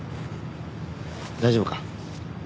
大丈夫か？